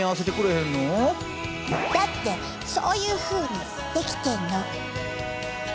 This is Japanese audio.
だってそういうふうに出来てんの！